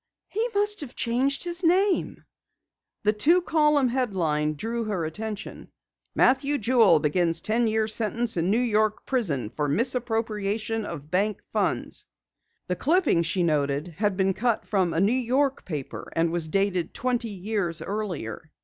He must have changed his name!" The two column headline drew her attention. MATTHEW JEWEL BEGINS TEN YEAR SENTENCE IN NEW YORK PRISON FOR MISAPPROPRIATION OF BANK FUNDS The clipping, she noted, had been cut from a New York paper and was dated twenty years earlier.